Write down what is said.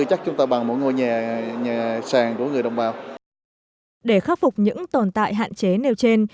để khắc phục những tồn tại hạn chế nêu trên